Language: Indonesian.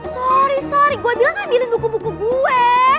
sorry sorry gue bilang ambilin buku buku gue